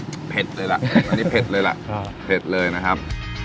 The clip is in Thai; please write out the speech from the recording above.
เผ็ดเลยล่ะอันนี้เผ็ดเลยล่ะเผ็ดเลยนะครับ